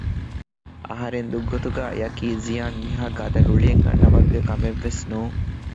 އަހަރެން ދުށްގޮތުގައި އެޔަކީ ޒިޔާން މިހާ ގަދަ ރުޅިއެއް އަންނަ ވަރުގެ ކަމެއް ވެސް ނޫން